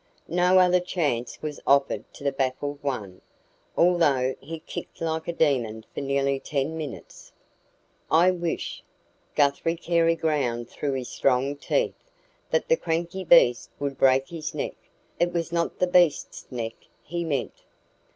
No other chance was offered to the baffled one, although he kicked like a demon for nearly ten minutes. "I wish," Guthrie Carey ground through his strong teeth, "that the cranky beast would break his neck." It was not the beast's neck he meant.